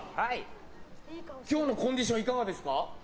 今日のコンディションいかがですか？